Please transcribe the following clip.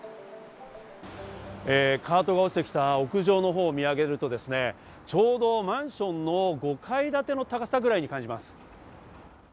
カートが落ちてきた屋上のほうを見上げるとちょうどマンションの５階建ての高さくらいに感じます。